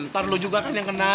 ntar lu juga kan yang kena